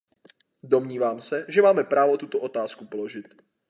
Domnívám se, že máme právo tuto otázku položit.